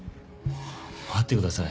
待ってください。